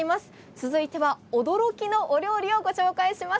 続いては、驚きのお料理をご紹介します。